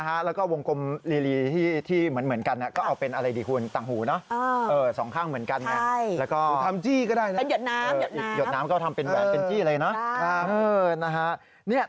ได้ต่างหู๒ข้างได้แหวน๑วง